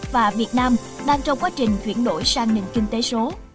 và việt nam đang trong quá trình chuyển đổi sang nền kinh tế số